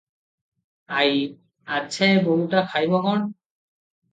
ଆଈ - ଆଚ୍ଛା ଏ ବୋହୂଟା ଖାଇବ କଣ?